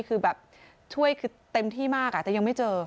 คือแบบช่วยคือเต็มที่มากแต่ยังไม่เจอ